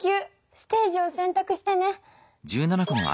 ステージをせんたくしてね。